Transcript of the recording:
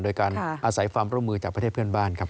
โดยการอาศัยความร่วมมือจากประเทศเพื่อนบ้านครับ